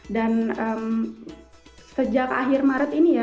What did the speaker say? dan sejak akhir maret ini ya